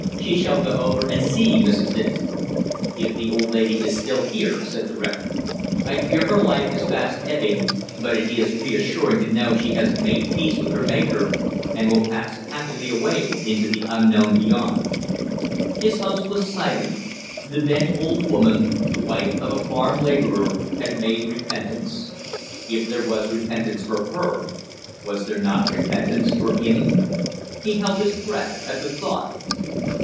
"She shall go over and see Mrs. Dixon." "If the old lady is still here," said the rector. "I fear her life is fast ebbing, but it is reassuring to know she has made peace with her Maker, and will pass happily away into the unknown beyond." His host was silent. The bent old woman, the wife of a farm labourer, had made repentance. If there was repentance for her, was there not repentance for him? He held his breath at the thought.